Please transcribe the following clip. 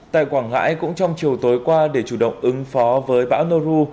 tại quảng ngãi cũng trong chiều tối qua để chủ động ứng phó với bão noru